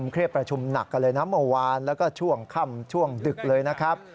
เรียกประชุมหนักกันเลยนะเมื่อวานแล้วก็ช่วงค่ำช่วงดึกเลยนะครับ